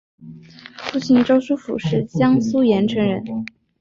父亲周书府是江苏盐城人。